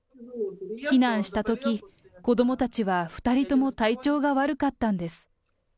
避難したとき、子どもたちは２人とも体調が悪かったんです。